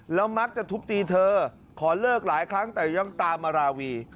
แล้วมักจะทุบตีเธอขอเลิกหลายครั้งแต่ยังตามมาราวี